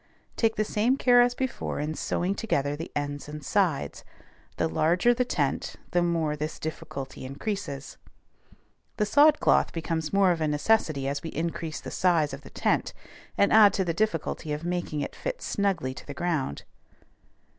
Take the same care as before in sewing together the ends and sides; the larger the tent, the more this difficulty increases. The sod cloth becomes more of a necessity as we increase the size of the tent, and add to the difficulty of making it fit snugly to the ground.